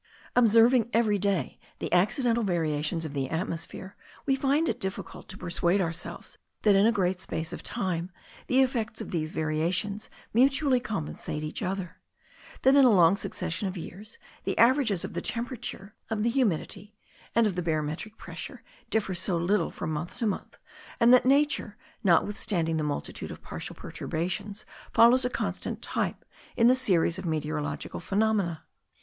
Observing every day the accidental variations of the atmosphere, we find it difficult to persuade ourselves that in a great space of time the effects of these variations mutually compensate each other: that in a long succession of years the averages of the temperature of the humidity, and of the barometric pressure, differ so little from month to month; and that nature, notwithstanding the multitude of partial perturbations, follows a constant type in the series of meteorological phenomena.